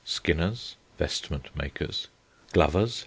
Skinners (vestment makers). Glovers.